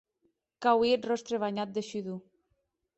Qu'auie eth ròstre banhat de shudor.